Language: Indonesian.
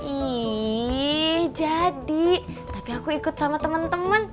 ih jadi tapi aku ikut sama temen temen